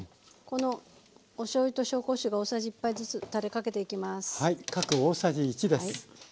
このおしょうゆと紹興酒が大さじ１杯ずつたれかけていきます。